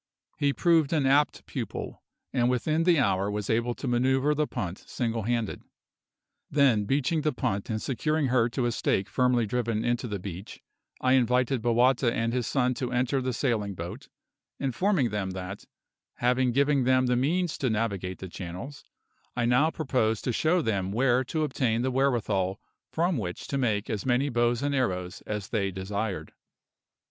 He proved an apt pupil, and within the hour was able to manoeuvre the punt single handed. Then, beaching the punt and securing her to a stake firmly driven into the beach, I invited Bowata and his son to enter the sailing boat, informing them that, having given them the means to navigate the channels, I now proposed to show them where to obtain the wherewithal from which to make as many bows and arrows as they desired.